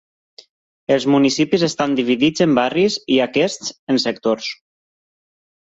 Els municipis estan dividits en barris i aquests en sectors.